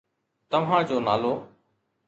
توهان جو نالو؟